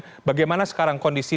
dan bagaimana sekarang kondisi